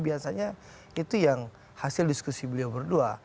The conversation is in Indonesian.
biasanya itu yang hasil diskusi beliau berdua